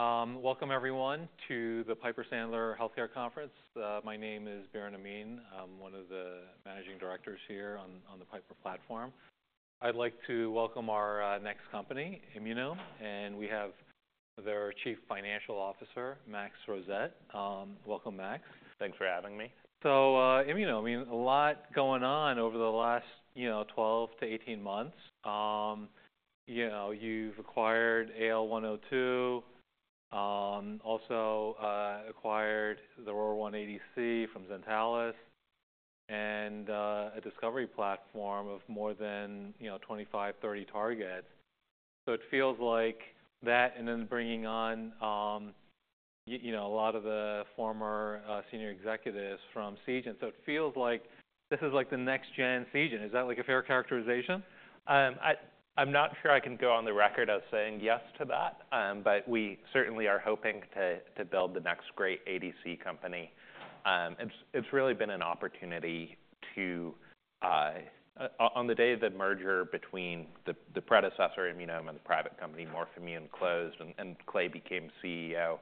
Great. Welcome everyone to the Piper Sandler Healthcare Conference. My name is Biren Amin. I'm one of the Managing Directors here on the Piper platform. I'd like to welcome our next company, Immunome. And we have their Chief Financial Officer, Max Rosett. Welcome, Max. Thanks for having me. Immunome, I mean, a lot going on over the last, you know, 12-18 months. You know, you've acquired AL102, also acquired the ROR1 ADC from Zentalis, and a discovery platform of more than, you know, 25, 30 targets. So it feels like that, and then bringing on, you know, a lot of the former senior executives from Seagen. So it feels like this is like the next-gen Seagen. Is that like a fair characterization? I'm not sure I can go on the record as saying yes to that, but we certainly are hoping to build the next great ADC company. It's really been an opportunity to, on the day of the merger between the predecessor Immunome and the private company, Morphimmune, closed, and Clay became CEO.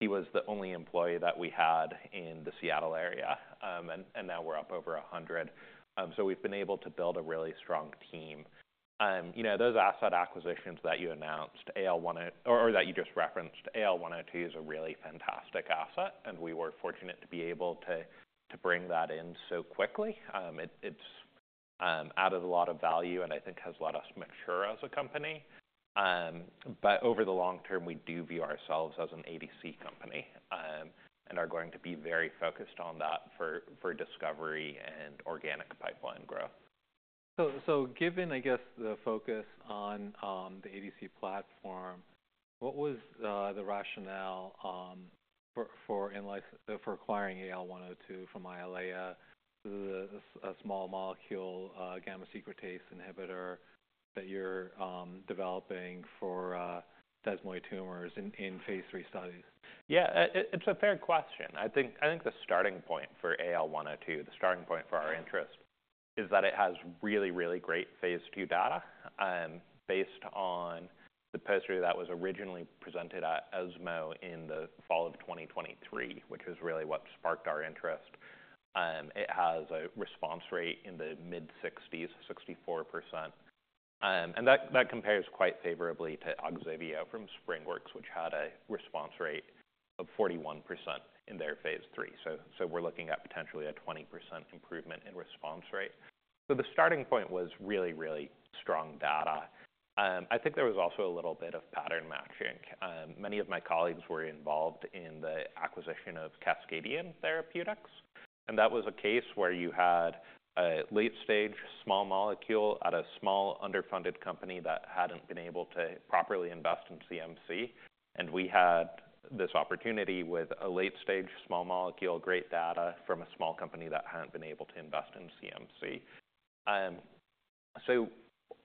He was the only employee that we had in the Seattle area, and now we're up over 100. So we've been able to build a really strong team. You know, those asset acquisitions that you announced, AL102, that you just referenced, AL102 is a really fantastic asset, and we were fortunate to be able to bring that in so quickly. It's added a lot of value, and I think has let us mature as a company. But over the long term, we do view ourselves as an ADC company, and are going to be very focused on that for discovery and organic pipeline growth. So, given, I guess, the focus on the ADC platform, what was the rationale for acquiring AL102 from Ayala, that's a small molecule gamma secretase inhibitor that you're developing for desmoid tumors in phase three studies? Yeah. It's a fair question. I think the starting point for AL102, the starting point for our interest, is that it has really, really great phase II data, based on the poster that was originally presented at ESMO in the fall of 2023, which was really what sparked our interest. It has a response rate in the mid-60s, 64%, and that compares quite favorably to Ogsiveo from SpringWorks, which had a response rate of 41% in their phase III. So we're looking at potentially a 20% improvement in response rate, so the starting point was really, really strong data. I think there was also a little bit of pattern matching. Many of my colleagues were involved in the acquisition of Cascadian Therapeutics, and that was a case where you had a late-stage small molecule at a small underfunded company that hadn't been able to properly invest in CMC. And we had this opportunity with a late-stage small molecule, great data from a small company that hadn't been able to invest in CMC. So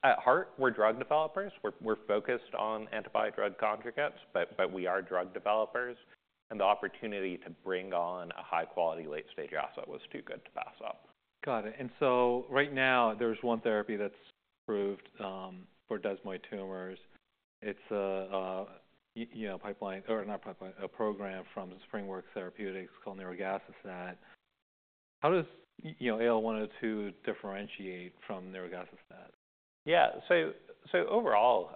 at heart, we're drug developers. We're, we're focused on antibody-drug conjugates, but, but we are drug developers, and the opportunity to bring on a high-quality late-stage asset was too good to pass up. Got it. And so right now, there's one therapy that's approved for desmoid tumors. It's a, you know, pipeline or not pipeline, a program from SpringWorks Therapeutics called nirogacestat. How does, you know, AL102 differentiate from nirogacestat? Yeah. So overall,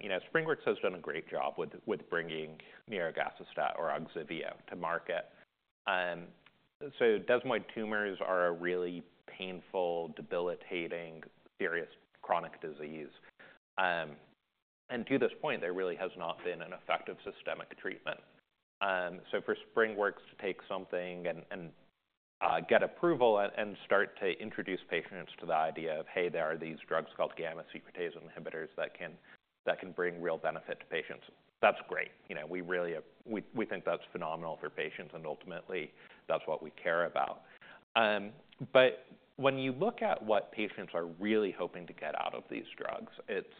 you know, SpringWorks has done a great job with bringing nirogacestat or Ogsiveo to market. So desmoid tumors are a really painful, debilitating, serious chronic disease. And to this point, there really has not been an effective systemic treatment. So for SpringWorks to take something and get approval and start to introduce patients to the idea of, "Hey, there are these drugs called gamma secretase inhibitors that can bring real benefit to patients," that's great. You know, we really, we think that's phenomenal for patients, and ultimately, that's what we care about. But when you look at what patients are really hoping to get out of these drugs, it's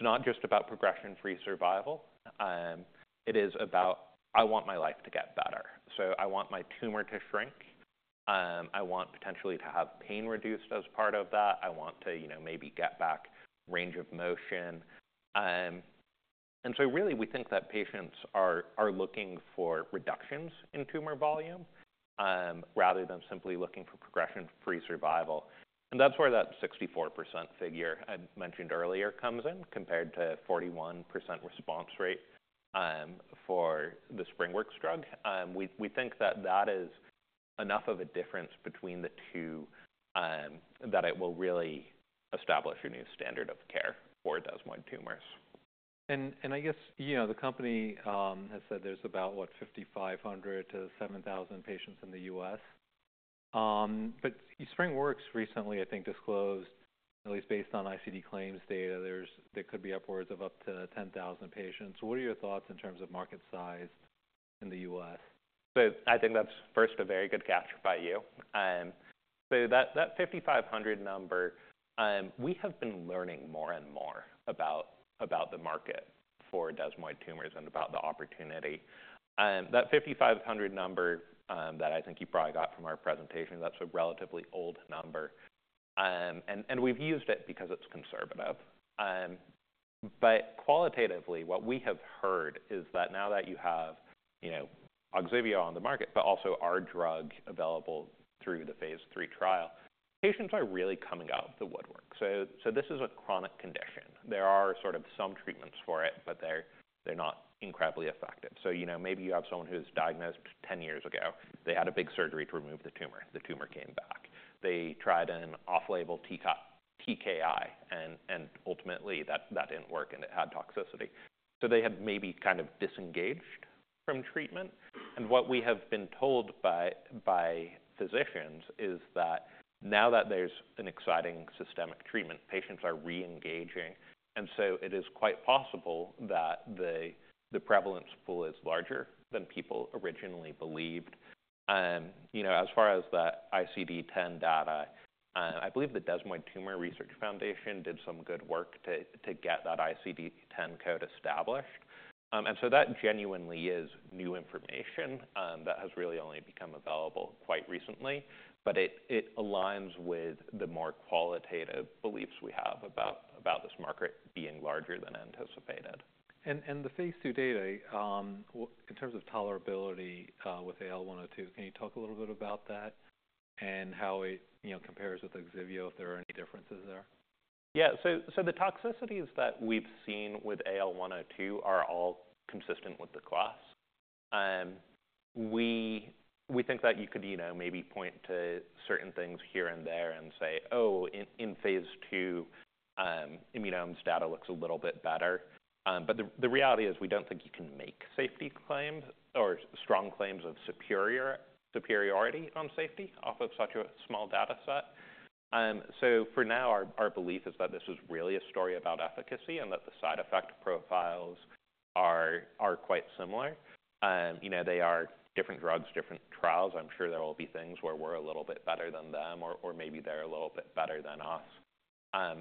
not just about progression-free survival. It is about, "I want my life to get better." So I want my tumor to shrink. I want potentially to have pain reduced as part of that. I want to, you know, maybe get back range of motion. And so really, we think that patients are looking for reductions in tumor volume, rather than simply looking for progression-free survival. That's where that 64% figure I mentioned earlier comes in, compared to 41% response rate for the SpringWorks drug. We think that is enough of a difference between the two, that it will really establish a new standard of care for desmoid tumors. I guess, you know, the company has said there's about, what, 5,500-7,000 patients in the U.S. SpringWorks recently, I think, disclosed, at least based on ICD claims data, there could be upwards of up to 10,000 patients. What are your thoughts in terms of market size in the US? So I think that's first, a very good capture by you. So that 5,500 number, we have been learning more and more about the market for desmoid tumors and about the opportunity. That 5,500 number, that I think you probably got from our presentation, that's a relatively old number. And we've used it because it's conservative. But qualitatively, what we have heard is that now that you have, you know, Ogsiveo on the market, but also our drug available through the phase III trial, patients are really coming out of the woodwork. So this is a chronic condition. There are sort of some treatments for it, but they're not incredibly effective. So, you know, maybe you have someone who was diagnosed 10 years ago. They had a big surgery to remove the tumor. The tumor came back. They tried an off-label TKI, and ultimately, that didn't work, and it had toxicity, so they had maybe kind of disengaged from treatment, and what we have been told by physicians is that now that there's an exciting systemic treatment, patients are re-engaging, and so it is quite possible that the prevalence pool is larger than people originally believed, you know, as far as the ICD-10 data, I believe the Desmoid Tumor Research Foundation did some good work to get that ICD-10 code established, and so that genuinely is new information that has really only become available quite recently, but it aligns with the more qualitative beliefs we have about this market being larger than anticipated. The phase II data, in terms of tolerability, with AL102, can you talk a little bit about that and how it, you know, compares with Ogsiveo, if there are any differences there? Yeah. So the toxicities that we've seen with AL102 are all consistent with the class. We think that you could, you know, maybe point to certain things here and there and say, "Oh, in phase II, Immunome's data looks a little bit better." But the reality is we don't think you can make safety claims or strong claims of superiority on safety off of such a small data set. So for now, our belief is that this is really a story about efficacy and that the side effect profiles are quite similar. You know, they are different drugs, different trials. I'm sure there will be things where we're a little bit better than them, or maybe they're a little bit better than us.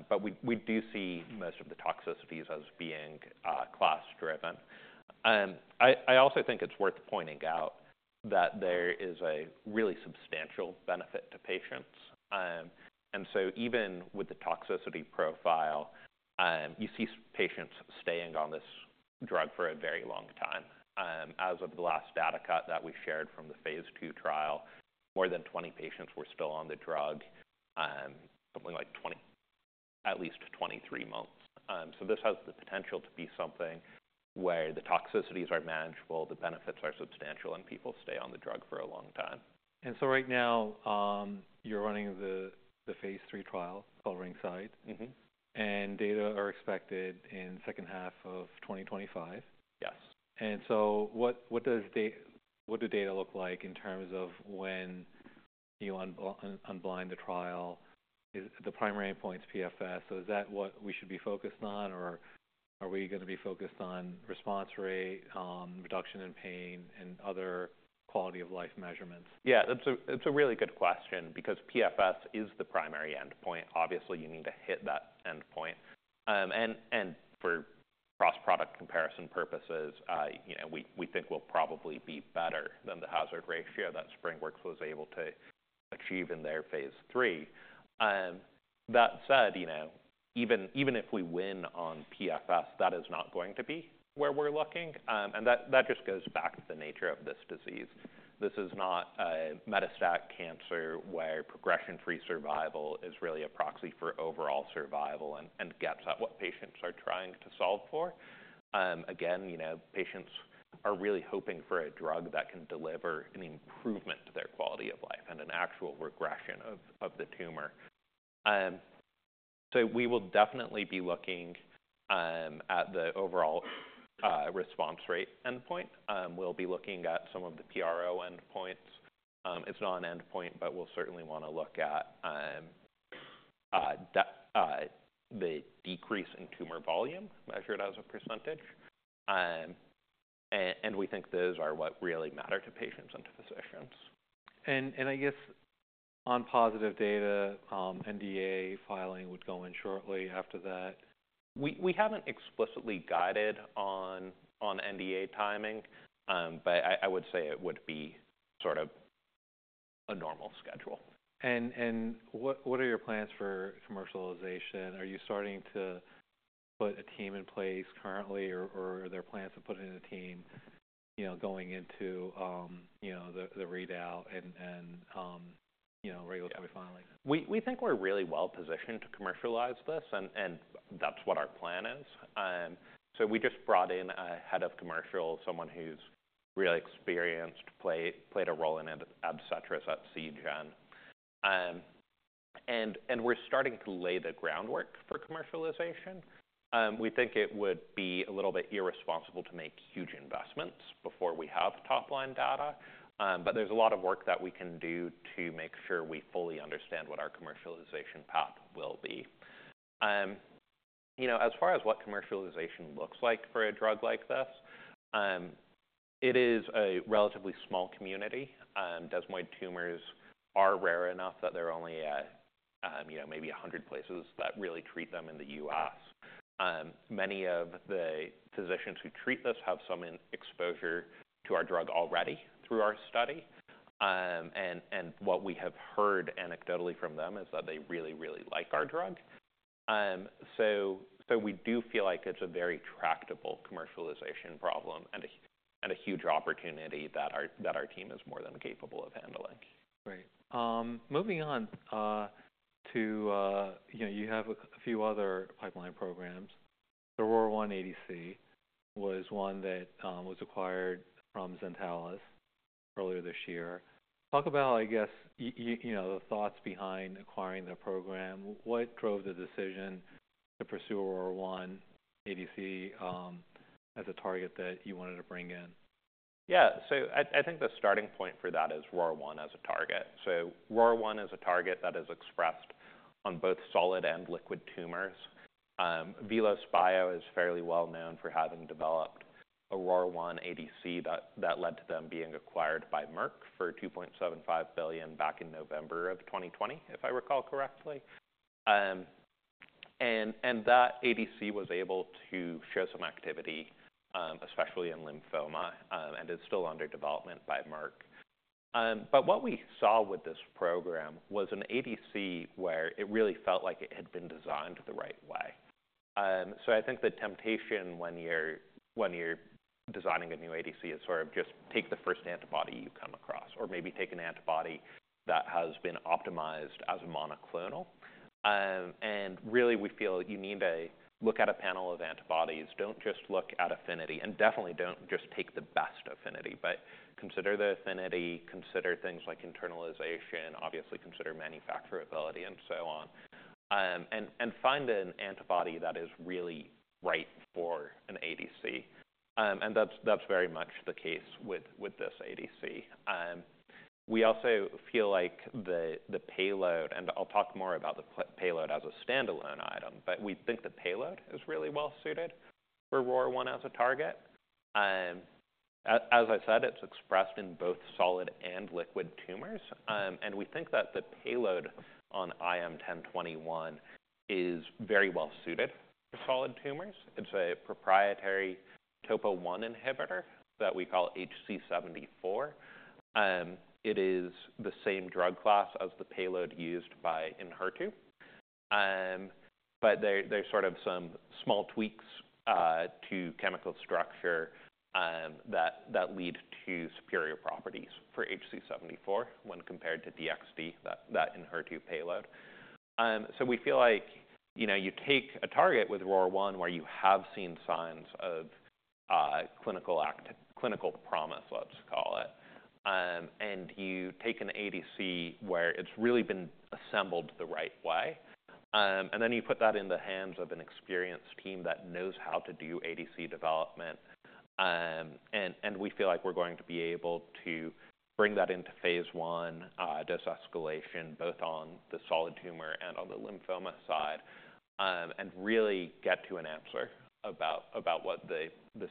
But we do see most of the toxicities as being class-driven. I also think it's worth pointing out that there is a really substantial benefit to patients, and so even with the toxicity profile, you see patients staying on this drug for a very long time. As of the last data cut that we shared from the phase II trial, more than 20 patients were still on the drug, something like 20, at least 23 months, so this has the potential to be something where the toxicities are manageable, the benefits are substantial, and people stay on the drug for a long time. Right now, you're running the phase III trial called RINGSIDE? Mm-hmm. Data are expected in the second half of 2025? Yes. What does the data look like in terms of when you unblind the trial? Is the primary endpoint's PFS? So is that what we should be focused on, or are we gonna be focused on response rate, reduction in pain, and other quality-of-life measurements? Yeah. That's—it's a really good question because PFS is the primary endpoint. Obviously, you need to hit that endpoint. And for cross-product comparison purposes, you know, we think we'll probably be better than the hazard ratio that SpringWorks was able to achieve in their phase III. That said, you know, even if we win on PFS, that is not going to be where we're looking. And that just goes back to the nature of this disease. This is not a metastatic cancer where progression-free survival is really a proxy for overall survival and gets at what patients are trying to solve for. Again, you know, patients are really hoping for a drug that can deliver an improvement to their quality of life and an actual regression of the tumor. So we will definitely be looking at the overall response rate endpoint. We'll be looking at some of the PRO endpoints. It's not an endpoint, but we'll certainly wanna look at the decrease in tumor volume measured as a percentage, and we think those are what really matter to patients and to physicians. I guess on positive data, NDA filing would go in shortly after that. We haven't explicitly guided on NDA timing, but I would say it would be sort of a normal schedule. What are your plans for commercialization? Are you starting to put a team in place currently, or are there plans to put in a team, you know, going into, you know, the readout and, you know, regulatory filing? Yeah. We think we're really well-positioned to commercialize this, and that's what our plan is. So we just brought in a head of commercial, someone who's really experienced, played a role in it, et cetera, is at Seagen. And we're starting to lay the groundwork for commercialization. We think it would be a little bit irresponsible to make huge investments before we have top-line data. But there's a lot of work that we can do to make sure we fully understand what our commercialization path will be. You know, as far as what commercialization looks like for a drug like this, it is a relatively small community. Desmoid tumors are rare enough that there are only, you know, maybe 100 places that really treat them in the U.S. Many of the physicians who treat this have some exposure to our drug already through our study. What we have heard anecdotally from them is that they really, really like our drug. We do feel like it's a very tractable commercialization problem and a huge opportunity that our team is more than capable of handling. Great. Moving on to, you know, you have a few other pipeline programs. The ROR1 ADC was one that was acquired from Zentalis earlier this year. Talk about, I guess, you know, the thoughts behind acquiring the program. What drove the decision to pursue ROR1 as a target that you wanted to bring in? Yeah. So I think the starting point for that is ROR1 as a target. So ROR1 is a target that is expressed on both solid and liquid tumors. VelosBio is fairly well-known for having developed a ROR1 ADC that led to them being acquired by Merck for $2.75 billion back in November of 2020, if I recall correctly. And that ADC was able to show some activity, especially in lymphoma, and is still under development by Merck. But what we saw with this program was an ADC where it really felt like it had been designed the right way. I think the temptation when you're designing a new ADC is sort of just take the first antibody you come across or maybe take an antibody that has been optimized as a monoclonal. And really, we feel you need a look at a panel of antibodies. Don't just look at affinity, and definitely don't just take the best affinity, but consider the affinity, consider things like internalization, obviously consider manufacturability, and so on. And find an antibody that is really right for an ADC. And that's very much the case with this ADC. We also feel like the payload, and I'll talk more about the payload as a standalone item, but we think the payload is really well-suited for ROR1 as a target. As I said, it's expressed in both solid and liquid tumors. And we think that the payload on IM-1021 is very well-suited for solid tumors. It's a proprietary TOPO1 inhibitor that we call HC-74. It is the same drug class as the payload used by Enhertu. But there's sort of some small tweaks to chemical structure that lead to superior properties for HC-74 when compared to DXd, the Enhertu payload, so we feel like, you know, you take a target with ROR1 where you have seen signs of clinical promise, let's call it, and you take an ADC where it's really been assembled the right way, and we feel like we're going to be able to bring that into phase I dose escalation, both on the solid tumor and on the lymphoma side, and really get to an answer about what the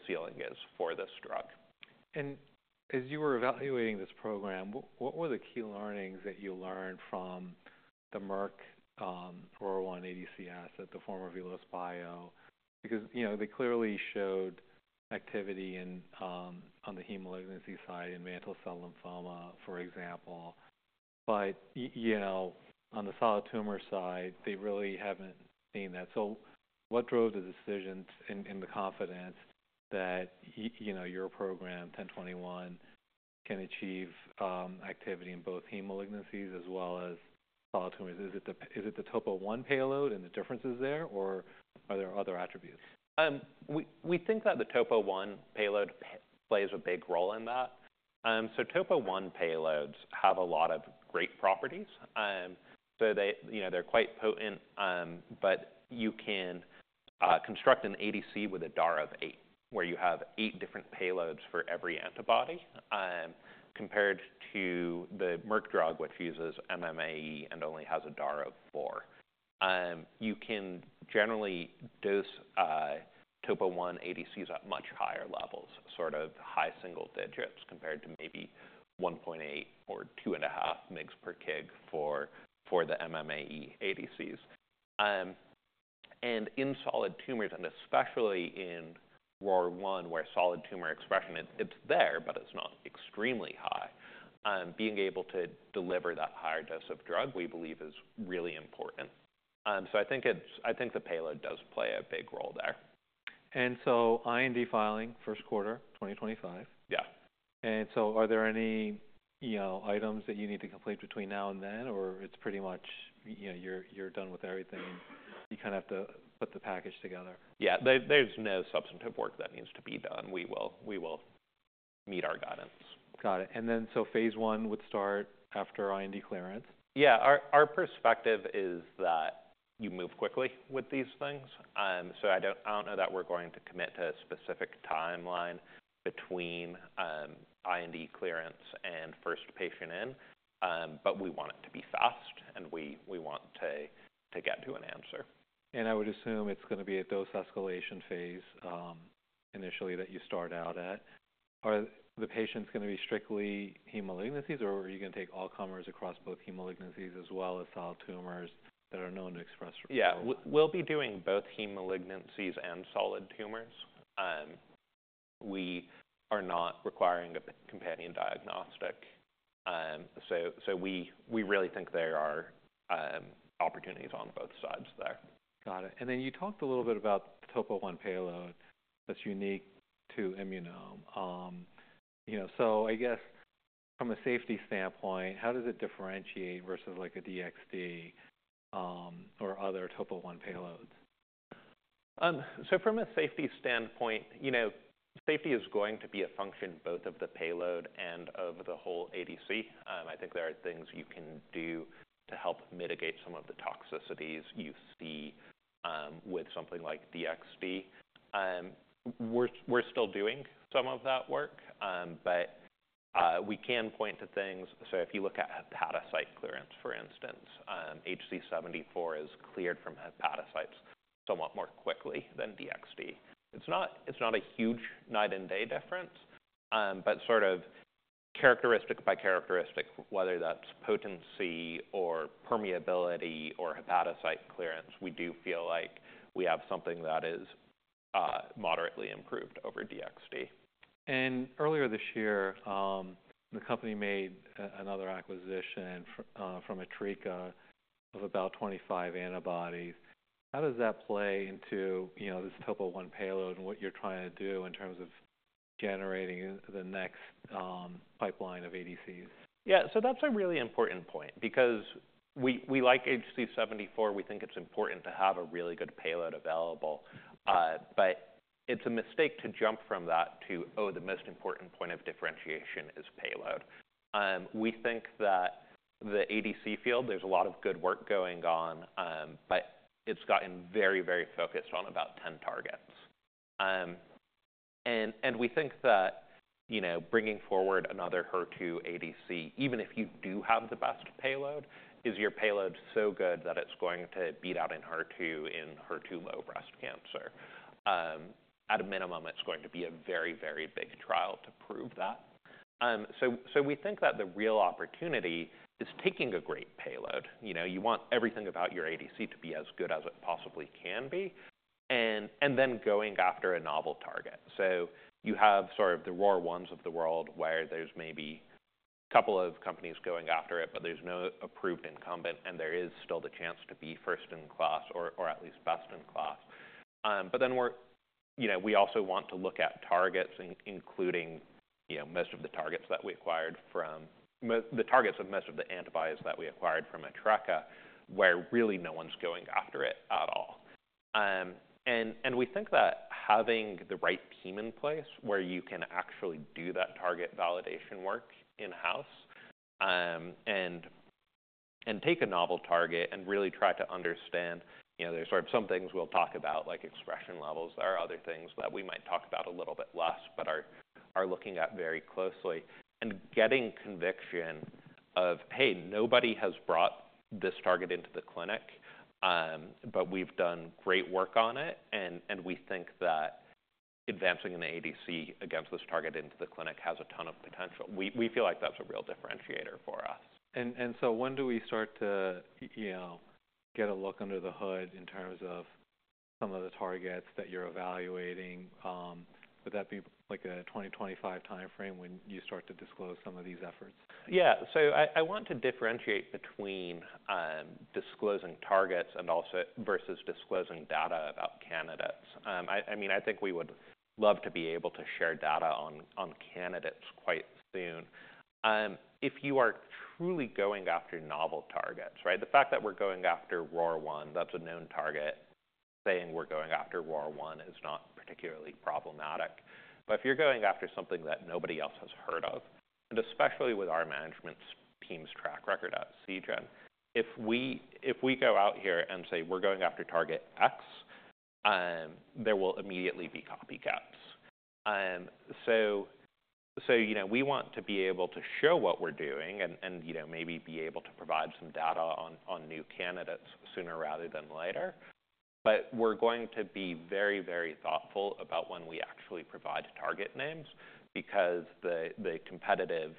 ceiling is for this drug. As you were evaluating this program, what were the key learnings that you learned from the Merck ROR1 ADC asset in the form of VelosBio? Because, you know, they clearly showed activity in, on the hematologic malignancy side in mantle cell lymphoma, for example, but, you know, on the solid tumor side, they really haven't seen that. So what drove the decision and the confidence that, you know, your program, 1021, can achieve activity in both hematologic malignancies as well as solid tumors? Is it the TOPO1 payload and the differences there, or are there other attributes? We think that the TOPO1 payload plays a big role in that. So TOPO1 payloads have a lot of great properties. So they, you know, they're quite potent, but you can construct an ADC with a DAR of eight where you have eight different payloads for every antibody. Compared to the Merck drug, which uses MMAE and only has a DAR of four, you can generally dose TOPO1 ADCs at much higher levels, sort of high single digits compared to maybe 1.8 or 2.5 mg/kg for the MMAE ADCs. And in solid tumors, and especially in ROR1 where solid tumor expression, it's there, but it's not extremely high. Being able to deliver that higher dose of drug, we believe, is really important. So I think it's the payload does play a big role there. IND filing first quarter 2025? Yeah. Are there any, you know, items that you need to complete between now and then, or it's pretty much, you know, you're done with everything and you kinda have to put the package together? Yeah. There's no substantive work that needs to be done. We will meet our guidance. Got it. And then so phase one would start after IND clearance? Yeah. Our perspective is that you move quickly with these things. So I don't know that we're going to commit to a specific timeline between IND clearance and first patient in, but we want it to be fast, and we want to get to an answer. I would assume it's gonna be a dose escalation phase, initially that you start out at. Are the patients gonna be strictly hematologic malignancies, or are you gonna take all comers across both hematologic malignancies as well as solid tumors that are known to express? Yeah. We'll be doing both hematologic malignancies and solid tumors. We are not requiring a companion diagnostic, so we really think there are opportunities on both sides there. Got it. And then you talked a little bit about the TOPO1 payload that's unique to Immunome. You know, so I guess from a safety standpoint, how does it differentiate versus, like, a DXd, or other TOPO1 payloads? So from a safety standpoint, you know, safety is going to be a function both of the payload and of the whole ADC. I think there are things you can do to help mitigate some of the toxicities you see, with something like DXd. We're still doing some of that work, but we can point to things. So if you look at hepatocyte clearance, for instance, HC-74 is cleared from hepatocytes somewhat more quickly than DXd. It's not a huge night-and-day difference, but sort of characteristic by characteristic, whether that's potency or permeability or hepatocyte clearance, we do feel like we have something that is moderately improved over DXd. Earlier this year, the company made another acquisition from Atreca of about 25 antibodies. How does that play into, you know, this TOPO1 payload and what you're trying to do in terms of generating the next pipeline of ADCs? Yeah. So that's a really important point because we like HC-74. We think it's important to have a really good payload available. But it's a mistake to jump from that to, "Oh, the most important point of differentiation is payload." We think that the ADC field, there's a lot of good work going on, but it's gotten very, very focused on about 10 targets. And we think that, you know, bringing forward another HER2 ADC, even if you do have the best payload, is your payload so good that it's going to beat out an HER2 in HER2-low breast cancer. At a minimum, it's going to be a very, very big trial to prove that. So we think that the real opportunity is taking a great payload. You know, you want everything about your ADC to be as good as it possibly can be, and, and then going after a novel target. So you have sort of the ROR1s of the world where there's maybe a couple of companies going after it, but there's no approved incumbent, and there is still the chance to be first in class or, or at least best in class. But then we're, you know, we also want to look at targets including, you know, most of the targets of the antibodies that we acquired from Atreca where really no one's going after it at all. We think that having the right team in place where you can actually do that target validation work in-house, and take a novel target and really try to understand, you know, there's sort of some things we'll talk about, like expression levels. There are other things that we might talk about a little bit less but are looking at very closely and getting conviction of, "Hey, nobody has brought this target into the clinic, but we've done great work on it." And we think that advancing an ADC against this target into the clinic has a ton of potential. We feel like that's a real differentiator for us. When do we start to, you know, get a look under the hood in terms of some of the targets that you're evaluating? Would that be like a 2025 timeframe when you start to disclose some of these efforts? Yeah. So I want to differentiate between disclosing targets and also versus disclosing data about candidates. I mean, I think we would love to be able to share data on candidates quite soon. If you are truly going after novel targets, right, the fact that we're going after ROR1, that's a known target, saying we're going after ROR1 is not particularly problematic. But if you're going after something that nobody else has heard of, and especially with our management team's track record at Seagen, if we go out here and say, "We're going after target X," there will immediately be copycats. So, you know, we want to be able to show what we're doing and, you know, maybe be able to provide some data on new candidates sooner rather than later. But we're going to be very, very thoughtful about when we actually provide target names because the competitive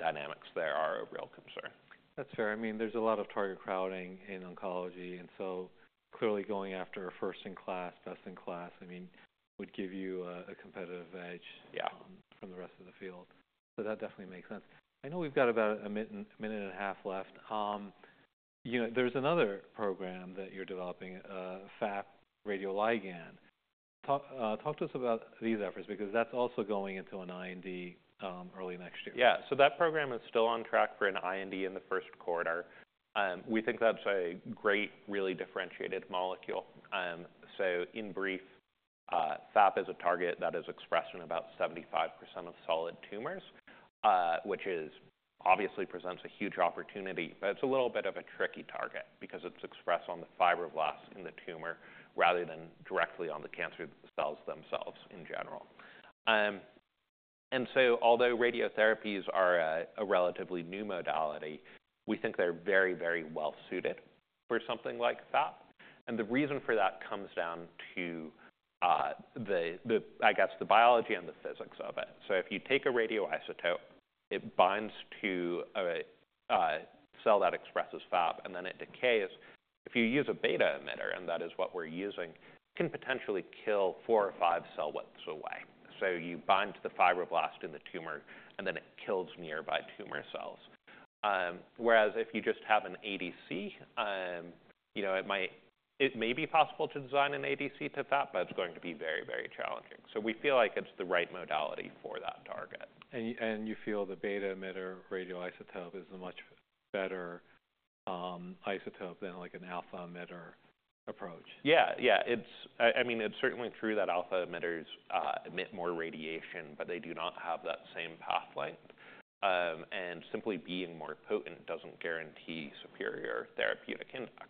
dynamics there are a real concern. That's fair. I mean, there's a lot of target crowding in oncology, and so clearly going after first in class, best in class, I mean, would give you a competitive edge. Yeah. From the rest of the field. So that definitely makes sense. I know we've got about a minute and a minute and a half left. You know, there's another program that you're developing, FAP radioligand. Talk to us about these efforts because that's also going into an IND, early next year. Yeah. So that program is still on track for an IND in the first quarter. We think that's a great, really differentiated molecule. So in brief, FAP is a target that is expressed in about 75% of solid tumors, which obviously presents a huge opportunity, but it's a little bit of a tricky target because it's expressed on the fibroblasts in the tumor rather than directly on the cancer cells themselves in general. And so although radioligand therapies are a relatively new modality, we think they're very, very well-suited for something like FAP. And the reason for that comes down to the biology and the physics of it. So if you take a radioisotope, it binds to a cell that expresses FAP, and then it decays. If you use a beta emitter, and that is what we're using, it can potentially kill four or five cell widths away. So you bind to the fibroblast in the tumor, and then it kills nearby tumor cells. Whereas if you just have an ADC, you know, it might, it may be possible to design an ADC to FAP, but it's going to be very, very challenging. So we feel like it's the right modality for that target. You feel the beta emitter radioisotope is a much better isotope than, like, an alpha emitter approach? Yeah. Yeah. It's, I mean, it's certainly true that alpha emitters emit more radiation, but they do not have that same path length, and simply being more potent doesn't guarantee superior therapeutic index,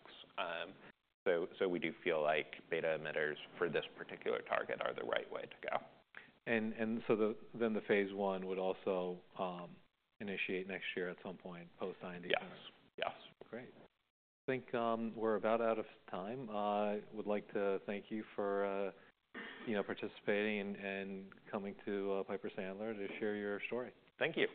so we do feel like beta emitters for this particular target are the right way to go. The phase one would also initiate next year at some point post-IND test? Yes. Yes. Great. I think we're about out of time. I would like to thank you for, you know, participating and coming to Piper Sandler to share your story. Thank you.